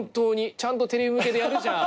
ちゃんとテレビ向けでやるじゃん。